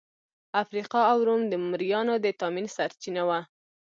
افریقا او روم د مریانو د تامین سرچینه وه.